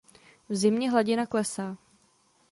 V zimě hladina klesá.